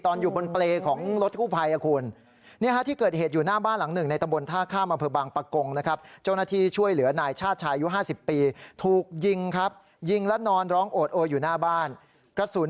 ตอนอยู่บนเปรย์ของรถคู่ภัยนะคุณ